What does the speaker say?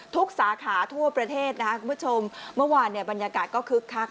สาขาทั่วประเทศนะครับคุณผู้ชมเมื่อวานเนี่ยบรรยากาศก็คึกคัก